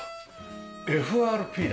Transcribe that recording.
ＦＲＰだ。